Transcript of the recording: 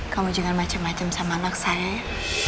kamu jangan macem macem sama anak saya ya